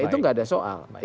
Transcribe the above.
itu enggak ada soal